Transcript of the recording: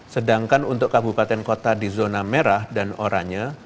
sedangkan untuk kabupaten kota di zona merah dan oranye